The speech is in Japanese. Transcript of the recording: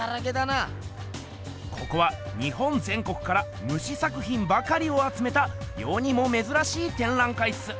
ここは日本ぜん国からムシ作ひんばかりをあつめたよにもめずらしいてんらん会っす。